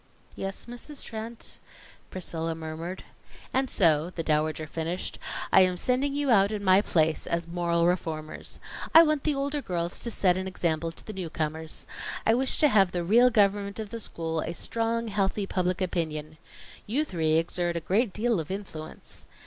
"Yes, Mrs. Trent," Priscilla murmured. "And so," the Dowager finished, "I am sending you out in my place, as moral reformers. I want the older girls to set an example to the newcomers. I wish to have the real government of the school a strong, healthy Public Opinion. You three exert a great deal of influence.